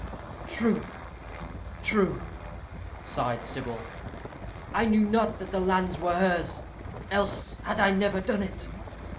"True, true," sighed Sybil. "I knew not that the lands were hers, else had I never done it."